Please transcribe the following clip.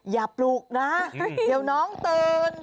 อย่าปลุกนะเดี๋ยวน้องตื่น